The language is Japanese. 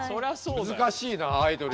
難しいなアイドル。